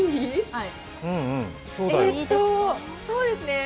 はい。